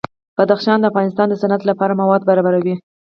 بدخشان د افغانستان د صنعت لپاره مواد برابروي.